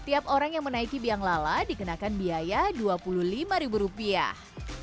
setiap orang yang menaiki bianglala dikenakan biaya dua puluh lima rupiah